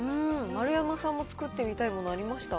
丸山さんも作ってみたいものありました？